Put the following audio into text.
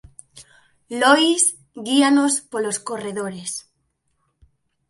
Lois guíanos polos corredores: